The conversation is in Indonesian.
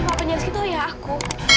papanya rizky tuh ayah aku